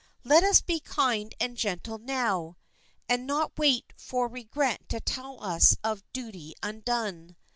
Let us be kind and gentle now, and not wait for regret to tell us of duty undone.